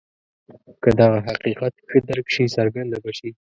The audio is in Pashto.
که دغه حقیقت ښه درک شي څرګنده به شي.